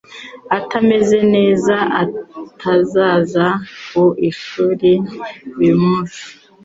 atameze neza atazaza ku ishuri uyu munsi